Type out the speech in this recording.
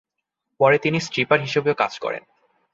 পরে, তিনি স্ট্রিপার হিসাবেও কাজ করেন।